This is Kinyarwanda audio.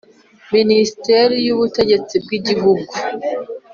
Minisiteri y Ubutegetsi bw igihugu